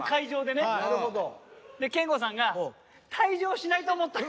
で憲剛さんが「退場しないと思った」。